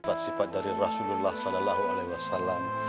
sifat sifat dari rasulullah saw